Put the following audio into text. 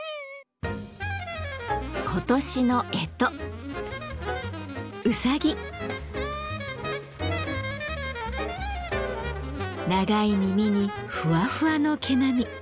今年の干支長い耳にふわふわの毛並み。